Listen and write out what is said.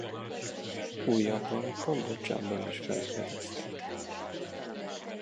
Újabban Kambodzsában is felfedezték.